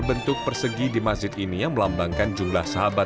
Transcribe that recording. rampet untuk mengembangkan orang orang yang terkenal di dunia